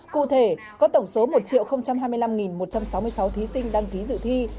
cụ thể có tổng số một hai mươi năm một trăm sáu mươi sáu thí sinh đăng ký dự thi